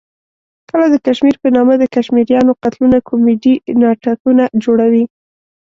کله د کشمیر په نامه د کشمیریانو قتلونه کومیډي ناټکونه جوړوي.